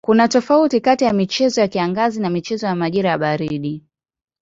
Kuna tofauti kati ya michezo ya kiangazi na michezo ya majira ya baridi.